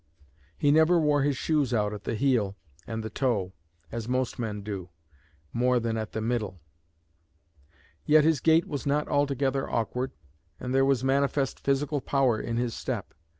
He never wore his shoes out at the heel and the toe, as most men do, more than at the middle. Yet his gait was not altogether awkward, and there was manifest physical power in his step.